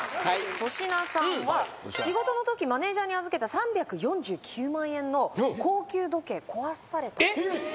粗品さんは仕事のときマネージャーに預けた３４９万円の高級時計壊されたとえっ？